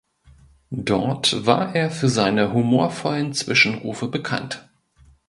Dort war er für seine humorvollen Zwischenrufe bekannt.